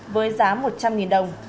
với giá một trăm linh đồng